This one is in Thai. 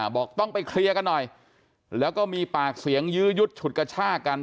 บอกต้องไปเคลียร์กันหน่อยแล้วก็มีปากเสียงยื้อยุดฉุดกระชากัน